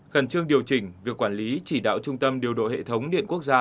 khẩn trương điều chỉnh việc quản lý chỉ đạo trung tâm điều độ hệ thống điện quốc gia